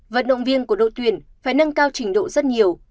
vận động viên của đội tuyển phải nâng cao trình độ rất nhiều